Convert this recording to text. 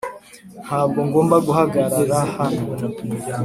ntabwo ngomba guhagarara hano.